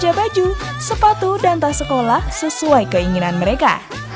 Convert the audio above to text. kerja baju sepatu dan tas sekolah sesuai keinginan mereka